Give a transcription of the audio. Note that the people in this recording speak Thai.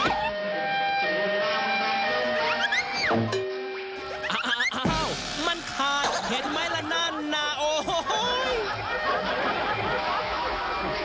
อ้าวมันขายเห็นมั้ยละนั้นโอ้โห้ย